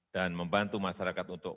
dan membantu masyarakat untuk